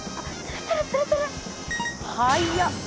はやっ！